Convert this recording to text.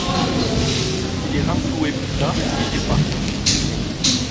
Il est renfloué plus tard et réparé.